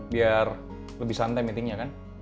biar lebih santai meeting nya kan